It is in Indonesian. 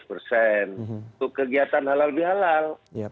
itu kegiatan halal bihalal